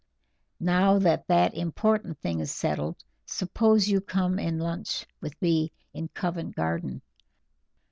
Now that that important thing is settled, suppose you come and lunch with me in Covent Garden?